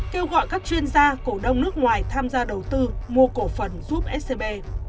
kêu gọi các chuyên gia cổ đông nước ngoài tham gia đầu tư mua cổ phần giúp scb